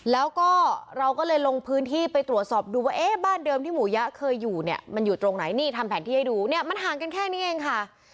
แล้วก็เราก็เลยลงพื้นที่ไปตรวจสอบดูว่าเอ๊ะบ้านเดิมที่หมูยะเคยอยู่เนี่ยมันอยู่ตรงไหนนี่ทำแผนที่ให้ดูเนี่ยมันห่างกันแค่นี้เองค่ะ